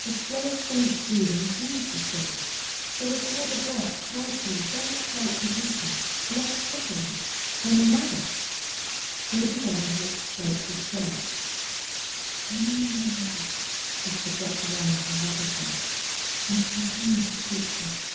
The slow, faint breathing changed a shade; there was heard a breath slightly, very slightly deeper, less flickering, then another. Lady Walderhurst slightly stirred. "Remain where you are," whispered Dr. Warren to her husband, "and continue to speak to her.